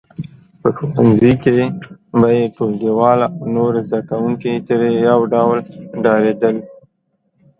په ښوونځي کې به یې ټولګیوال او نور زده کوونکي ترې یو ډول ډارېدل